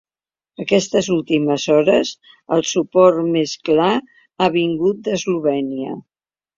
Aquestes últimes hores el suport més clar ha vingut d’Eslovènia.